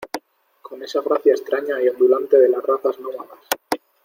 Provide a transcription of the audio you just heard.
con esa gracia extraña y ondulante de las razas nómadas